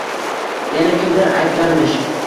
Yana kimdir aytganmish